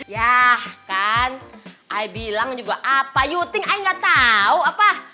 yah kan i bilang juga apa you think i ga tau apa